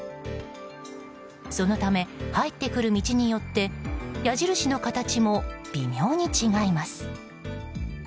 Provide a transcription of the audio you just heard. そのため、入ってくる道によって矢印の形も微妙に違います。